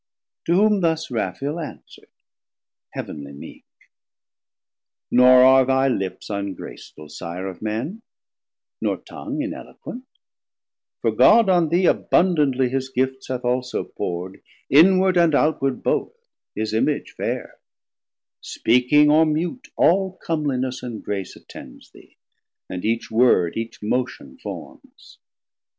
To whom thus Raphael answer'd heav'nly meek. Nor are thy lips ungraceful, Sire of men, Nor tongue ineloquent; for God on thee Abundantly his gifts hath also pour'd, 220 Inward and outward both, his image faire: Speaking or mute all comliness and grace Attends thee, and each word, each motion formes.